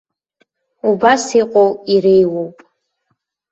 Убас иҟоу иреиуоуп.